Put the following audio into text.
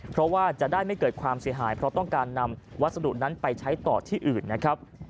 เพราะว่าจะได้ไม่เกิดความเสียหายเพราะต้องการนำวัสดุนั้นไปใช้ต่อที่อื่นนะครับ